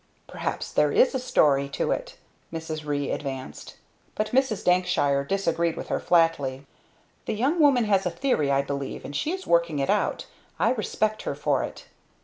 "Perhaps there is a story to it!" Mrs. Ree advanced; but Mrs. Dankshire disagreed with her flatly. "The young woman has a theory, I believe, and she is working it out. I respect her for it.